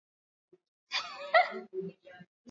Tumbo kuvimba